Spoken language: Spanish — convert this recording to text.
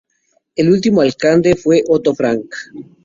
El último Alcalde fue Otto Frank.